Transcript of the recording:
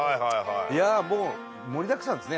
いやもう盛りだくさんですね